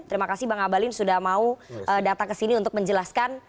terima kasih bang abalin sudah mau datang ke sini untuk menjelaskan